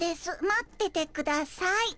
待っててください」。